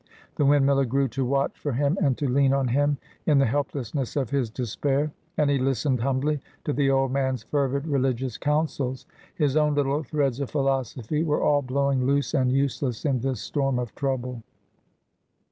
The windmiller grew to watch for him, and to lean on him in the helplessness of his despair. And he listened humbly to the old man's fervid religious counsels. His own little threads of philosophy were all blowing loose and useless in this storm of trouble.